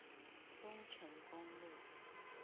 東成公路